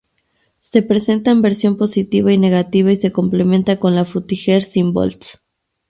Se presenta en versión positiva y negativa y se complementa con la Frutiger Symbols.